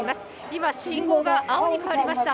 今、信号が青に変わりました。